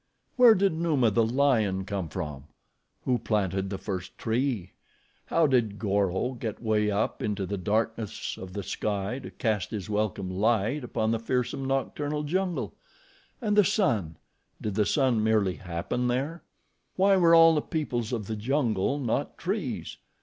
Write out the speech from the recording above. Where did Numa, the lion, come from? Who planted the first tree? How did Goro get way up into the darkness of the night sky to cast his welcome light upon the fearsome nocturnal jungle? And the sun! Did the sun merely happen there? Why were all the peoples of the jungle not trees?